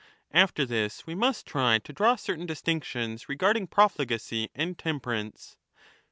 2 1230^ 2 After this we must try to draw certain distinctions regarding profligacy and temperance.